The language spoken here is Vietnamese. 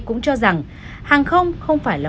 cũng cho rằng hàng không không phải là